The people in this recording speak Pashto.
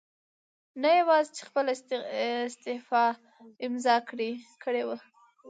نه یواځې چې خپله استعفاء امضا کړې وه